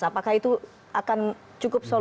apakah itu akan cukup solusi